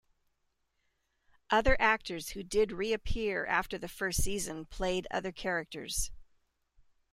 Other actors who did reappear after the first season played other characters.